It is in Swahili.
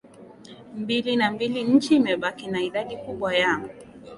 mbili na mbili Nchi imebaki na idadi kubwa ya